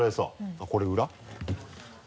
あっこれ裏？